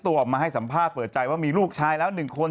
ออกมาให้สัมภาษณ์เปิดใจว่ามีลูกชายแล้ว๑คน